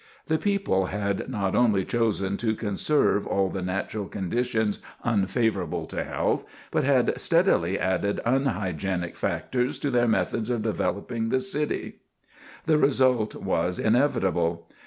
The people had not only chosen to conserve all the natural conditions unfavorable to health, but had steadily added unhygienic factors in their methods of developing the city. [Sidenote: A Plague Stricken Town] The result was inevitable.